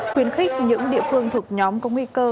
khuyến khích những địa phương thuộc nhóm có nguy cơ